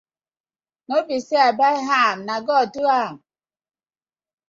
No bie say I bai am na god ded.